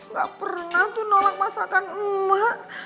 gak pernah tuh nolak masakan emak